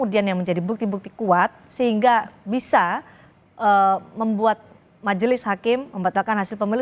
kemudian yang menjadi bukti bukti kuat sehingga bisa membuat majelis hakim membatalkan hasil pemilu